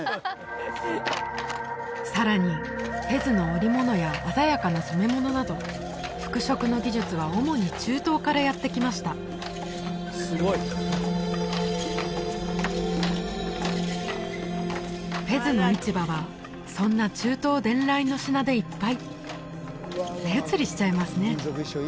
さらにフェズの織物や鮮やかな染め物など服飾の技術は主に中東からやって来ましたフェズの市場はそんな中東伝来の品でいっぱい目移りしちゃいますね